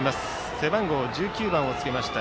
背番号１９番をつけました